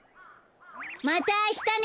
またあしたね！